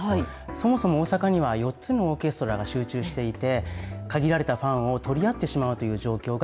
そもそも大阪には４つのオーケストラが集中していて、限られたファンを取り合ってしまうという状